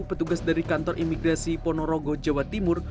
petugas dari kantor imigrasi ponorogo jawa timur